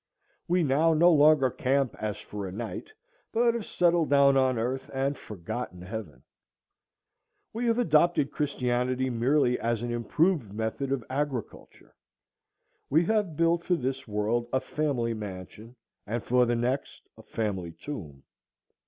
We now no longer camp as for a night, but have settled down on earth and forgotten heaven. We have adopted Christianity merely as an improved method of agri culture. We have built for this world a family mansion, and for the next a family tomb.